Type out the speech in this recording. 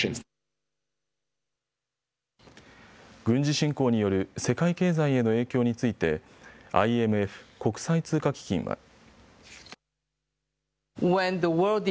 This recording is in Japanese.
軍事侵攻による世界経済への影響についてＩＭＦ・国際通貨基金は。